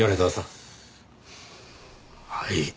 はい。